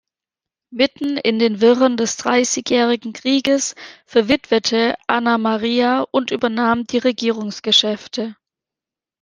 Mitten in den Wirren des Dreißigjährigen Krieges verwitwete Anna Maria und übernahm die Regierungsgeschäfte.